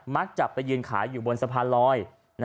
จะไปยืนขายอยู่บนสะพานลอย